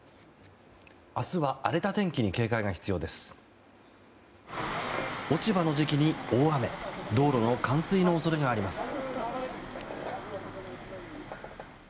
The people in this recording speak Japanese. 明日は荒れた天気に警戒が必要です。